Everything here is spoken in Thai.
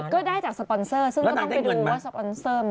ก็ได้จากสปอนเซอร์ซึ่งก็ต้องไปดูว่าสปอนเซอร์